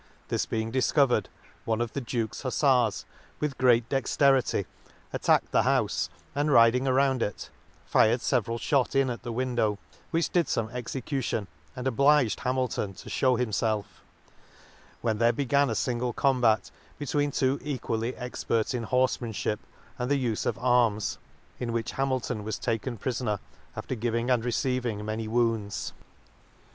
This being difcovered, one of the Duke's HufTars, with great dexte rity, attacked the houfe, and riding round it, fired feveral fhot in at the window,* which did fome execution, and obliged Hamilton to fhew himfelf ; when there began a lingle combat, between two e qually expert in horfemanfhip and the ufe of arms ; in which Hamilton was taken prifoner, after giving and receiving many wounds.